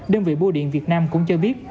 đơn vị bùa điện việt nam cũng cho biết